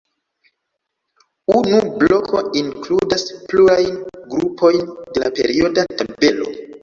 Unu bloko inkludas plurajn grupojn de la perioda tabelo.